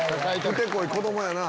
ふてこい子供やな。